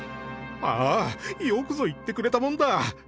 「ああ、よくぞ言ってくれたもんだ」。